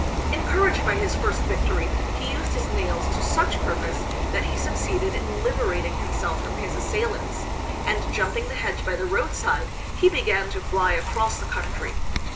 Encouraged by his first victory he used his nails to such purpose that he succeeded in liberating himself from his assailants, and jumping the hedge by the roadside he began to fly across the country.